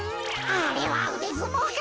あれはうでずもうか？